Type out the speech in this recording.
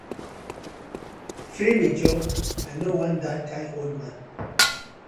Free me joor, I no wan dat kind old man.